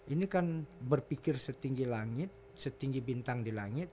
ini kan berpikir setinggi langit setinggi bintang di langit